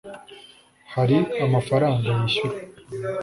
hari amafaranga yishyura